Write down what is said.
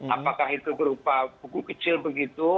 apakah itu berupa buku kecil begitu